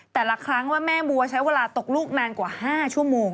แต่ละครั้งว่าแม่บัวใช้เวลาตกลูกนานกว่า๕ชั่วโมง